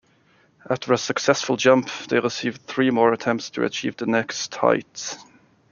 After a successful jump, they receive three more attempts to achieve the next height.